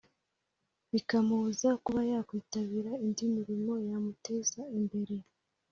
bikamubuza kuba yakwitabira indi mirimo yamuteza imbere.